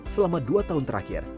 selama dua tahun terakhir